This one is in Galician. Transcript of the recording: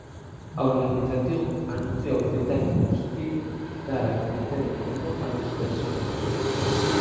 A organización anunciou que ten como obxectivo "dar a coñecer ao mundo a dispersión".